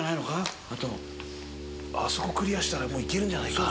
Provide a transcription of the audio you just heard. そこクリアしたらもう行けるんじゃないか？